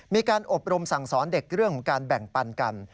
มีการอบรมสั่งสอนเด็กเรื่องของการแบ่งปันกัน